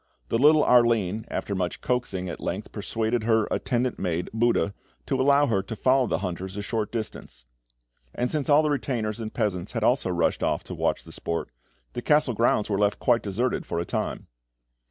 The little Arline, after much coaxing, at length persuaded her attendant maid, Buda, to allow her to follow the hunters a short distance; and since all the retainers and peasants had also rushed off to watch the sport, the castle grounds were left quite deserted for a time.